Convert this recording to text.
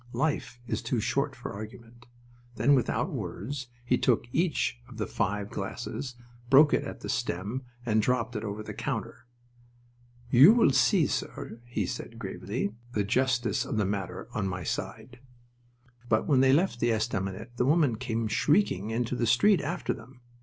Life is too short for argument. Then, without words, he took each of the five glasses, broke it at the stem, and dropped it over the counter. "You will see, sir," he said, gravely, "the justice of the matter on my side." But when they left the estaminet the woman came shrieking into the street after them.